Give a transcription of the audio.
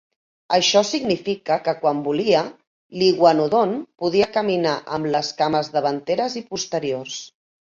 Això significa que quan volia, l'iguanodont podia caminar amb les cames davanteres i posteriors.